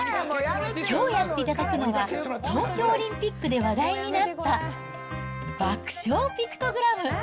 きょうやっていただくのは、東京オリンピックで話題になった爆笑ピクトグラム。